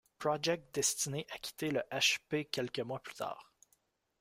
Project destinés à quitter le H!P quelques mois plus tard.